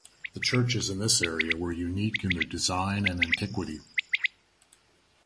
The churches in this area were unique in their design and antiquity.